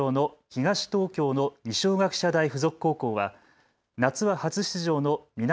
東京の二松学舎大付属高校は夏は初出場の南